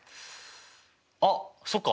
あっそっか。